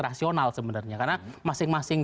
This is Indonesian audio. rasional sebenarnya karena masing masing